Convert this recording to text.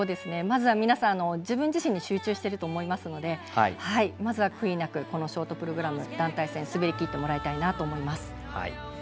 まずは皆さん自分自身に集中していると思いますのでまず悔いなくショートプログラム団体戦、滑り切ってほしいと思います。